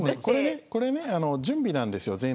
これね、準備なんですよ